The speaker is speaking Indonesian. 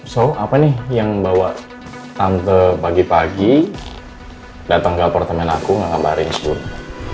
so apa nih yang bawa tante pagi pagi datang ke apartemen aku gak ngabarin sepuluh